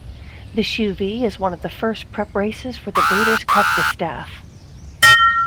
The Shuvee is one of the first prep races for the Breeders' Cup Distaff.